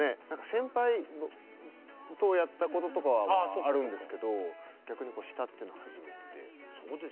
先輩とやったこととかはあるんですけど逆に下っていうのは初めてで。